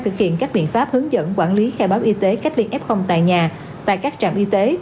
thực hiện các biện pháp hướng dẫn quản lý khai báo y tế cách ly f tại nhà tại các trạm y tế